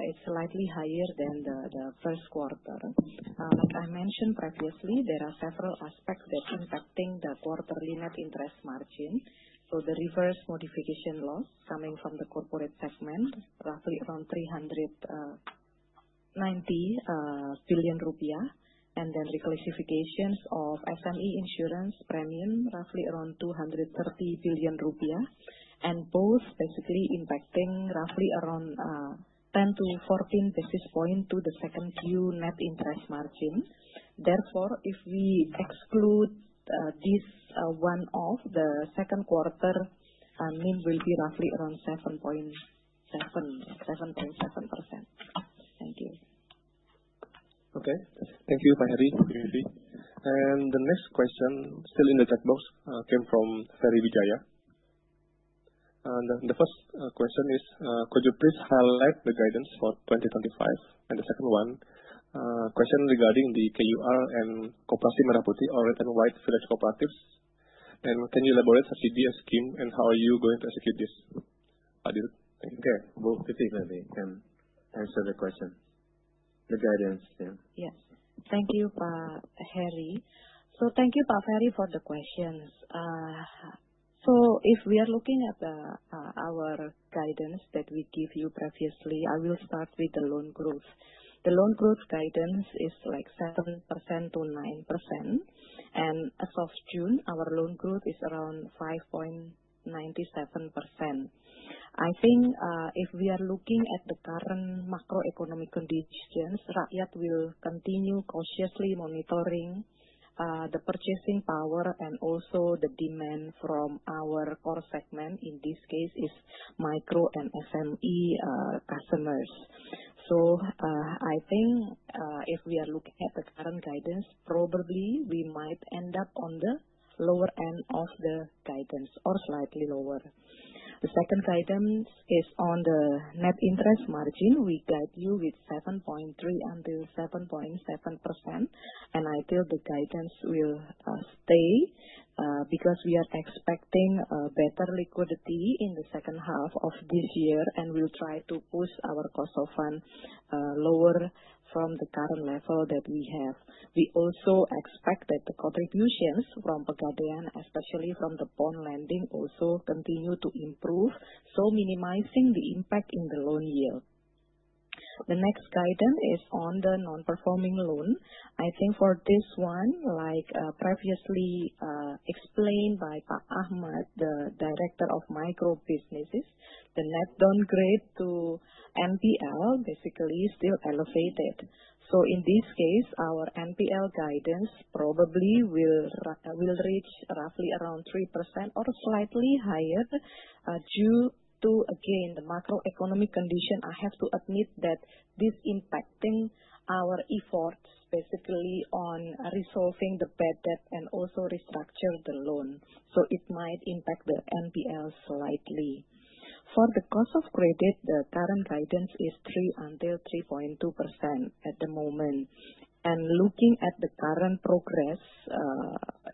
It's slightly higher than the first quarter. Like I mentioned previously, there are several aspects that are impacting the quarterly net interest margin. The reverse modification loss coming from the corporate segment, roughly around 390 billion rupiah, and then reclassifications of SME insurance premium, roughly around 230 billion rupiah, and both basically impacting roughly around 10 to 14 basis points to the second-year net interest margin. Therefore, if we exclude this one-off, the second quarter NIM will be roughly around 7.7%. Thank you. Thank you, Pak Heri, Bu Fifi. The next question, still in the chat box, came from Ferry Wijaya. The first question is, could you please highlight the guidance for 2025? The second one, question regarding the KUR and Koperasi Desa Merah Putih or Red and White Village Cooperatives. Can you elaborate subsidy scheme and how are you going to execute this? Pak Dirut, thank you. Bu Fifi maybe can answer the question. The guidance, yeah. Yes. Thank you, Pak Heri. Thank you, Pak Ferry, for the questions. If we are looking at our guidance that we gave you previously, I will start with the loan growth. The loan growth guidance is like 7% to 9%. As of June, our loan growth is around 5.97%. I think if we are looking at the current macroeconomic conditions, rakyat will continue cautiously monitoring the purchasing power and also the demand from our core segment, in this case, is micro and SME customers. I think if we are looking at the current guidance, probably we might end up on the lower end of the guidance or slightly lower. The second guidance is on the net interest margin. We guide you with 7.3% until 7.7%. I feel the guidance will stay because we are expecting better liquidity in the second half of this year and will try to push our cost of fund lower from the current level that we have. We also expect that the contributions from Pegadaian, especially from the bond lending, also continue to improve, minimizing the impact in the loan yield. The next guidance is on the non-performing loan. I think for this one, like previously explained by Pak Ahmad, the Director of Micro Businesses, the net downgrade to NPL basically is still elevated. In this case, our NPL guidance probably will reach roughly around 3% or slightly higher. Due to, again, the macroeconomic condition, I have to admit that this is impacting our efforts specifically on resolving the bad debt and also restructuring the loan. It might impact the NPL slightly. For the cost of credit, the current guidance is 3% until 3.2% at the moment. Looking at the current progress,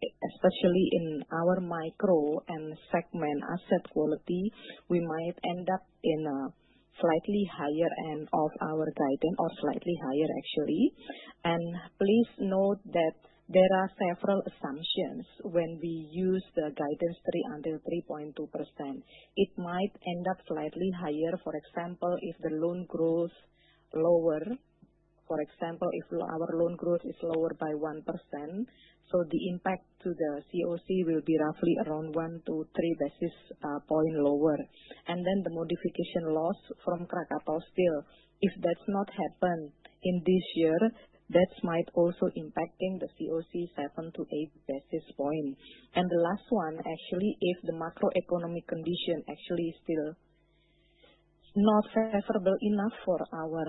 especially in our micro and segment asset quality, we might end up in a slightly higher end of our guidance or slightly higher, actually. Please note that there are several assumptions when we use the guidance 3% until 3.2%. It might end up slightly higher, for example, if the loan growth is lower. For example, if our loan growth is lower by 1%, the impact to the COC will be roughly around 1 to 3 basis points lower. The modification loss from Krakatau still, if that's not happened in this year, that might also impact the COC 7 to 8 basis points. The last one, actually, if the macroeconomic condition actually is still not favorable enough for our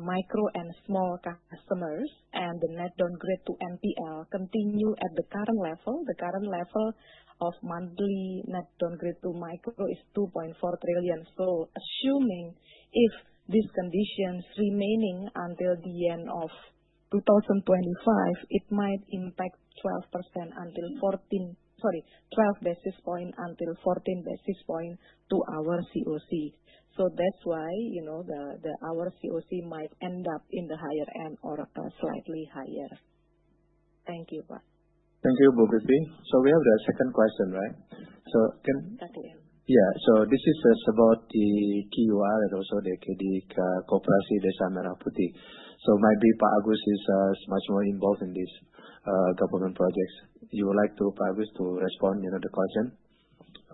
micro and small customers and the net downgrade to NPL continues at the current level, the current level of monthly net downgrade to micro is 2.4 trillion. Assuming if these conditions remain until the end of 2025, it might impact 12 basis points until 14 basis points to our COC. That's why our COC might end up in the higher end or slightly higher. Thank you, Pak. Thank you, Bu Fifi. We have the second question, right? Exactly. This is about the KUR and also the KDK, Koperasi Desa Merah Putih. Maybe Pak Agus is much more involved in these government projects. You would like to, Pak Agus, to respond to the question?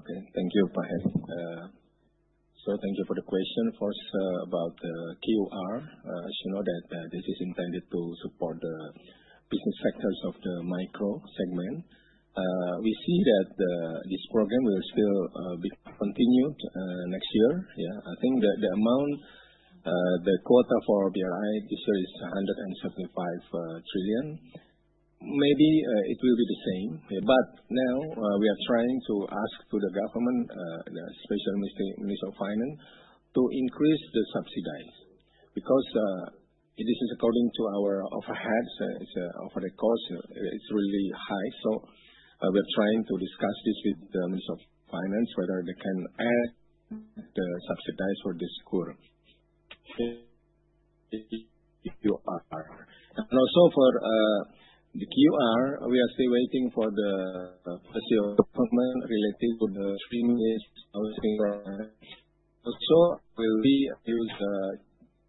Okay, thank you, Pak Hery. Thank you for the question first about the KUR. As you know, this is intended to support the business sectors of the micro segment. We see that this program will still be continued next year. Yeah, I think the amount, the quota for BRI this year is 175 trillion. Maybe it will be the same. We are trying to ask the government, the Minister of Finance, to increase the subsidies because, according to our overheads, overhead costs, it's really high. We are trying to discuss this with the Minister of Finance, whether they can add the subsidies for this KUR. Also, for the KUR, we are still waiting for the FSA or government related to the stream-based housing. We will use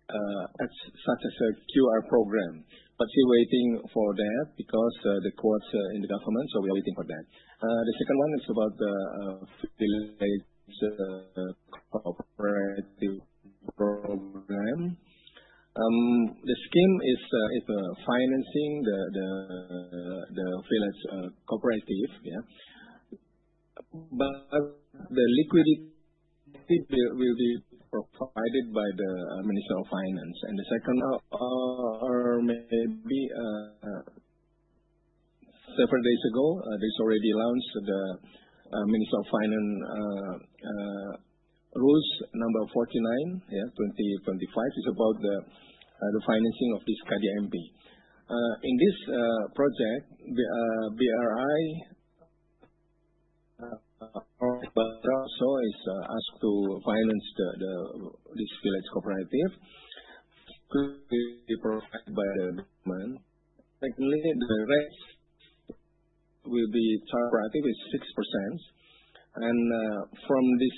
such a KUR program, but still waiting for that because the quota is in the government, so we are waiting for that. The second one is about the Village Cooperative program. The scheme is financing the Village Cooperative, yeah, but the liquidity will be provided by the Minister of Finance. Several days ago, there's already launched the Minister of Finance Rules Number 49, 2025, about the financing of this Koperasi Desa Merah Putih. In this project, BRI also is asked to finance this Village Cooperative to be provided by the government. The rate will be chartered with 6%. From this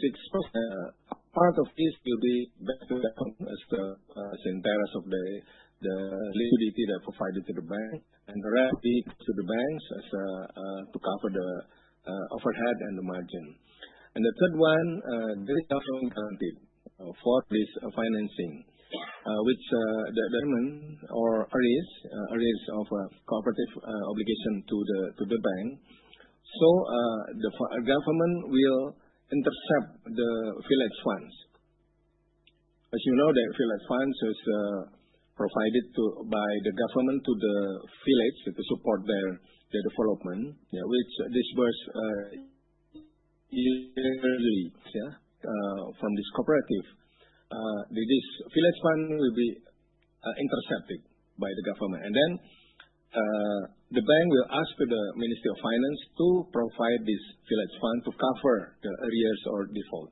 6%, part of this will be back to the government as the interest of the liquidity that provided to the bank, and the rest will be to the banks to cover the overhead and the margin. The third one, there is government guarantee for this financing, which the government or arrears of a cooperative obligation to the bank. The government will intercept the village funds. As you know, the village funds are provided by the government to the villages to support their development, which disperse yearly. From this cooperative, this village fund will be intercepted by the government, and then the bank will ask the Minister of Finance to provide this village fund to cover the arrears or default.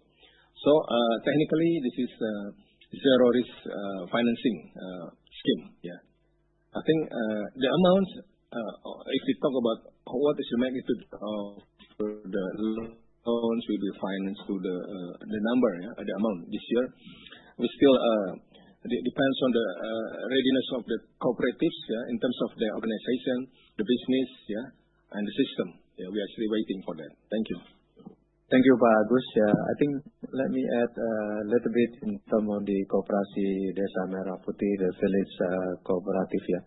Technically, this is a zero risk financing scheme, yeah. I think the amount, if we talk about what is the magnitude of the loans will be financed to the number, the amount this year, we still depend on the readiness of the cooperatives in terms of their organization, the business, yeah, and the system. We are still waiting for that. Thank you. Thank you, Pak Agus. I think let me add a little bit in terms of the Koperasi Desa Merah Putih, the Village Cooperative, yeah.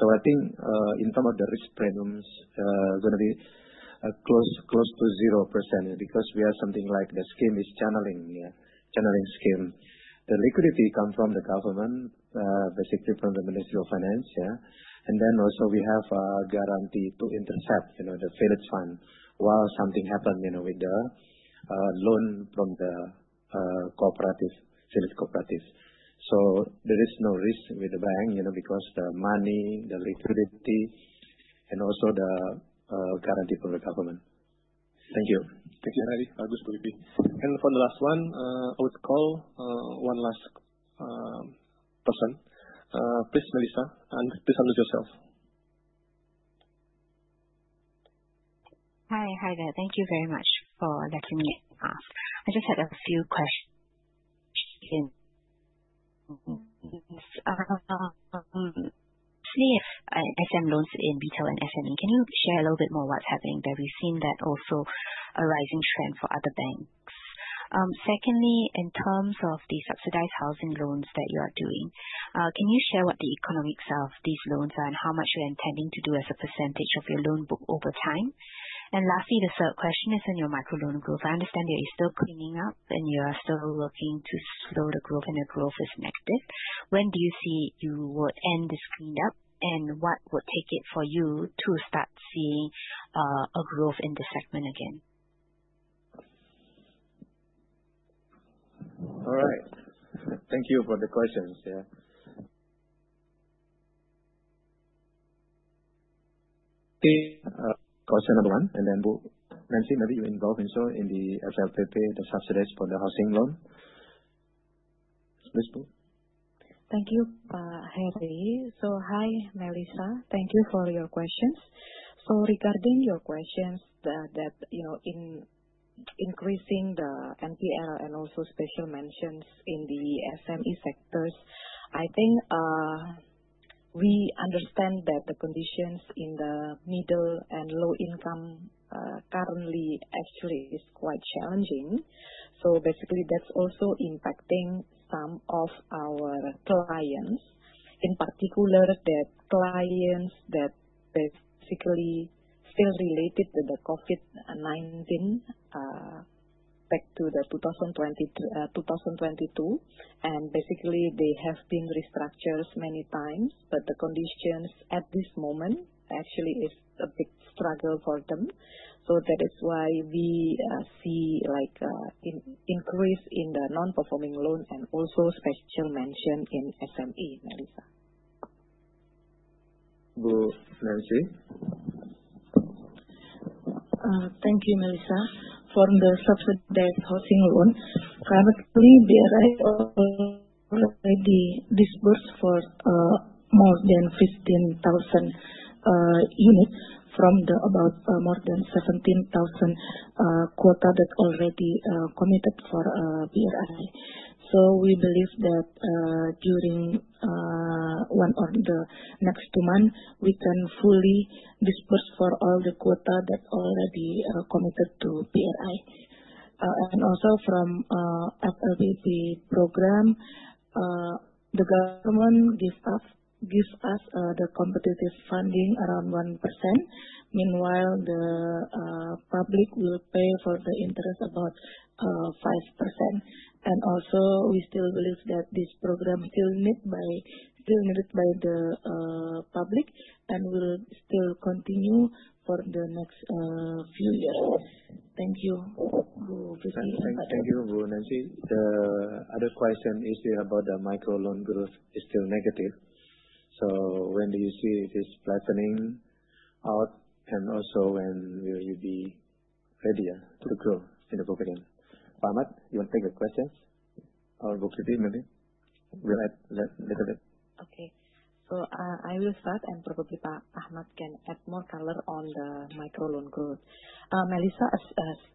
I think in terms of the risk premiums, going to be close to 0% because we have something like the scheme is channeling, channeling scheme. The liquidity comes from the government, basically from the Minister of Finance. We have a guarantee to intercept the village fund while something happens with the loan from the village cooperative. There is no risk with the bank because the money, the liquidity, and also the guarantee from the government. Thank you. Thank you, Pak Heri, Pak Agus, Bu Fifi. For the last one, I would call one last person. Please, Melissa, please unmute yourself. Hi, Hiber. Thank you very much for letting me ask. I just had a few questions. Firstly, SM loans in retail and SME, can you share a little bit more what's happening there? We've seen that also a rising trend for other banks. Secondly, in terms of the subsidized housing loans that you are doing, can you share what the economics of these loans are and how much you're intending to do as a percentage of your loan book over time? Lastly, the third question is on your micro loan growth. I understand that you're still cleaning up and you are still working to slow the growth and the growth is negative. When do you see you will end this cleanup and what would take it for you to start seeing a growth in the segment again? Thank you for the questions. Question number one, and then Bu Melissa, maybe you involve also in the FLPP, the subsidies for the housing loan. Please, Bu. Thank you, Pak Heri. Hi, Melissa. Thank you for your questions. Regarding your questions about increasing the NPL and also special mentions in the SME sectors, we understand that the conditions in the middle and low income currently actually is quite challenging. That's also impacting some of our clients, in particular the clients that are still related to the COVID-19 back to 2022. They have been restructured many times, but the conditions at this moment actually is a big struggle for them. That is why we see an increase in the non-performing loan and also special mention in SME, Melissa. Thank you, Melissa. From the subsidized housing loan, currently BRI already dispersed for more than 15,000 units from the about more than 17,000 quota that already committed for BRI. We believe that during. One or the next two months, we can fully disburse for all the quota that already committed to BRI. Also, from the FLPP program, the government gives us the competitive funding around 1%. Meanwhile, the public will pay for the interest about 5%. We still believe that this program is still needed by the public and will still continue for the next few years. Thank you, Bu Fifi. Thank you. Thank you, Bu Melissa. The other question is still about the micro loan growth is still negative. When do you see this flattening out and also when will you be ready to grow in the program? Pak Ahmad, you want to take a question? Or Bu Fifi, maybe? We'll add a little bit. Okay. I will start and probably Pak Ahmad can add more color on the micro loan growth. Melissa,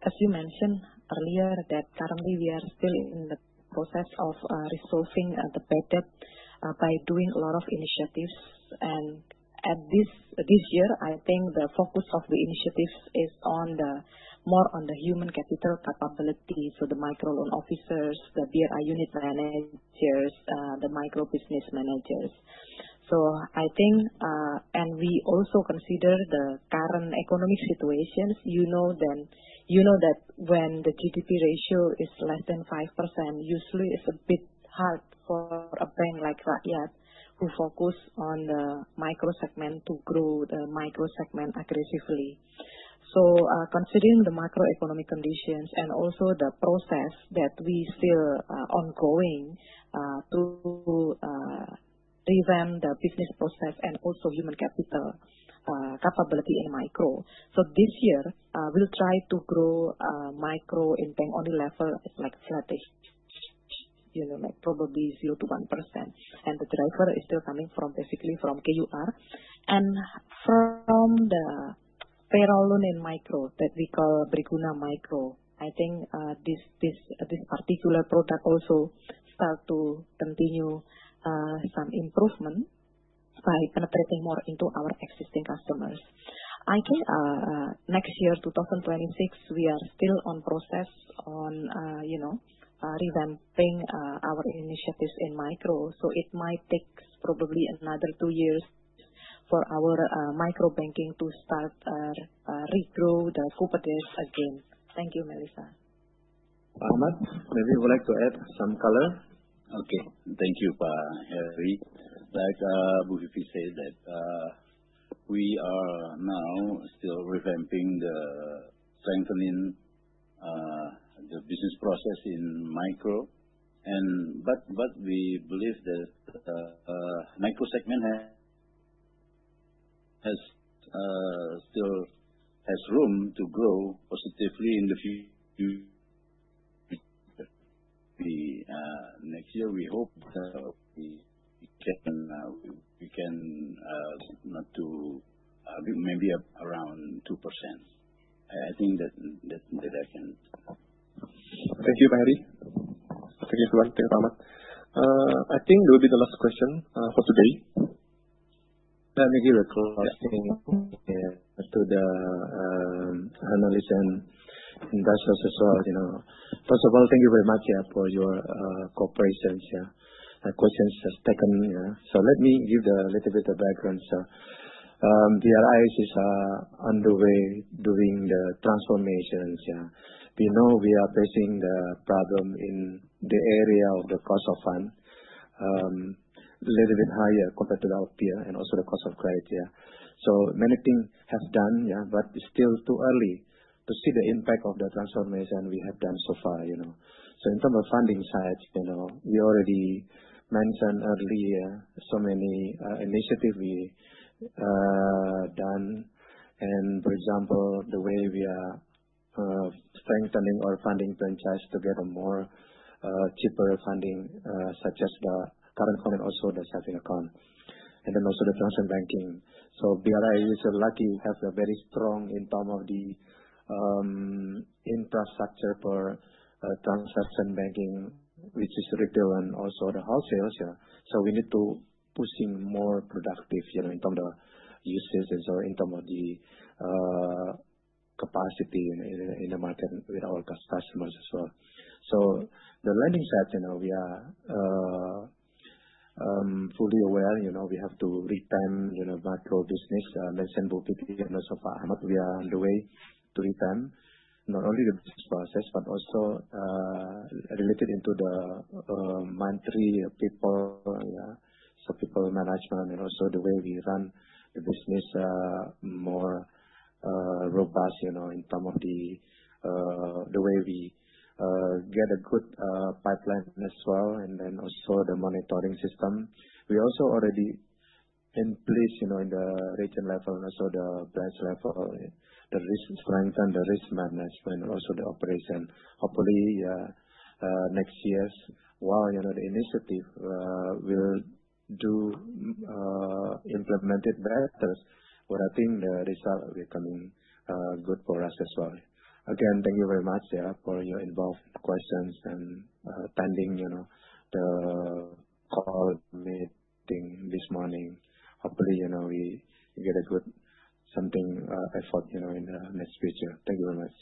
as you mentioned earlier, currently we are still in the process of resolving the bad debt by doing a lot of initiatives. At this year, I think the focus of the initiatives is more on the human capital capability. The micro loan officers, the BRI unit managers, the micro business managers. We also consider the current economic situations. You know that when the GDP ratio is less than 5%, usually it's a bit hard for a bank like BRI who focuses on the micro segment to grow the micro segment aggressively. Considering the macroeconomic conditions and also the process that we still are ongoing to revamp the business process and also human capital capability in micro, this year we'll try to grow micro in bank-only level like flat, probably 0 to 1%. The driver is still coming basically from KUR and from the payroll loan in micro that we call Briguna Micro. I think this particular product also starts to continue some improvement by penetrating more into our existing customers. I think next year, 2026, we are still in the process of revamping our initiatives in micro. It might take probably another two years for our micro banking to start regrow the competitors again. Thank you, Melissa. Pak Ahmad, maybe you would like to add some color? Okay. Thank you, Pak Hery. Like Bu Fifi said, we are now still revamping the strengthening the business process in micro. We believe that the micro segment still has room to grow positively in the future. Next year, we hope that we can, maybe around 2%. I think that I can. Thank you, Pak Hery. Thank you, everyone. Thank you, Pak Ahmad. I think that would be the last question for today. Let me give a close. Thank you to the panelists and industrials as well. First of all, thank you very much for your cooperation. Questions are taken. Let me give a little bit of background. Bank Rakyat Indonesia is underway doing the transformations. We know we are facing the problem in the area of the cost of fund, a little bit higher compared to the output and also the cost of credit. So many things have done, but it's still too early to see the impact of the transformation we have done so far. In terms of funding side, we already mentioned earlier so many initiatives we have done. For example, the way we are strengthening our funding franchise to get more cheaper funding, such as the current and also the saving account, and then also the transfer banking. Bank Rakyat Indonesia is lucky; we have a very strong infrastructure for transfer banking, which is retail and also the wholesales. We need to push more productive in terms of uses and in terms of the capacity in the market with our customers as well. On the lending side, we are fully aware we have to revamp the micro business, mentioned Bu Fifi and also Pak Ahmad. We are underway to revamp not only the business process, but also related to the monthly people. People management and also the way we run the business, more robust in terms of the way we get a good pipeline as well, and then also the monitoring system. We also already have in place in the region level and also the branch level, the risk management strengthened, and also the operation. Hopefully next year, while the initiative will be implemented better, the result will be coming good for us as well. Again, thank you very much for your involved questions and attending the call meeting this morning. Hopefully, we get a good something effort in the next future. Thank you very much.